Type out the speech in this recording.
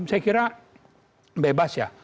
saya kira bebas ya